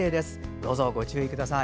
どうぞご注意ください。